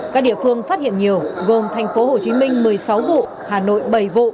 các địa phương phát hiện nhiều gồm thành phố hồ chí minh một mươi sáu vụ hà nội bảy vụ